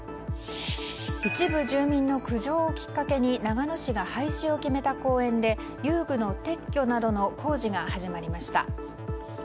一部住民の苦情をきっかっけに長野市が廃止を込めた公園で遊具の撤去などの工事が始まりました。